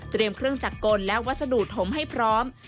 เครื่องจักรกลและวัสดุถมให้พร้อม